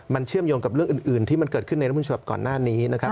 มันเชื่อมโยงกับเรื่องอื่นที่มันเกิดขึ้นในรัฐมนฉบับก่อนหน้านี้นะครับ